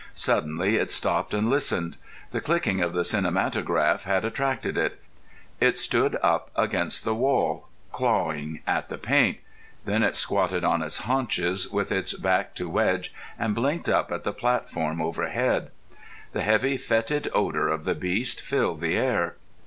Suddenly it stopped and listened. The clicking of the cinematograph had attracted it. It stood up against the wall, clawing at the paint. Then it squatted on its haunches, with its back to Wedge, and blinked up at the platform overhead. The heavy fetid odour of the beast filled the air.